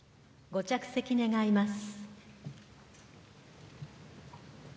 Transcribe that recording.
ご着席願います。